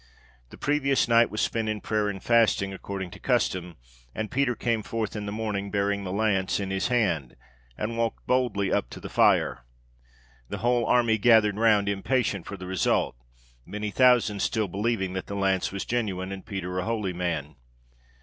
The previous night was spent in prayer and fasting, according to custom, and Peter came forth in the morning bearing the lance in his hand, and walked boldly up to the fire. The whole army gathered round, impatient for the result, many thousands still believing that the lance was genuine, and Peter a holy man.